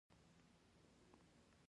آیا لاسي صنایع د ښځو لپاره دي؟